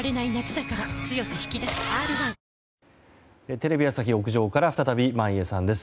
テレビ朝日屋上から再び、眞家さんです。